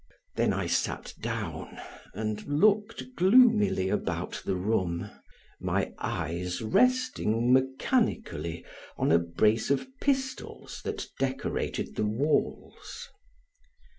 Then I sat down and looked gloomily about the room, my eyes resting mechanically on a brace of pistols that decorated the walls.